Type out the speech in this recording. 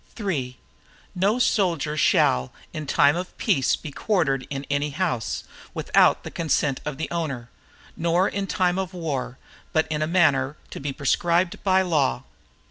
III No soldier shall, in time of peace be quartered in any house, without the consent of the owner, nor in time of war, but in a manner to be prescribed by law.